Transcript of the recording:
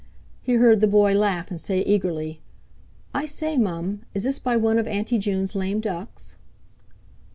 He heard the boy laugh, and say eagerly: "I say, Mum, is this by one of Auntie June's lame ducks?"